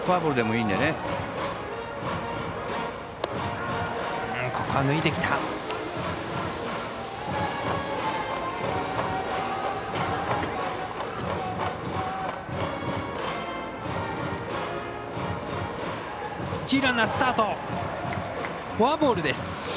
フォアボールです。